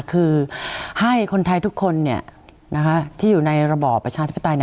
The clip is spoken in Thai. คือให้คนไทยทุกคนที่อยู่ในระบอบประชาธิปไตย